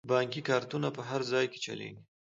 بانکي کارتونه په هر ځای کې چلیږي.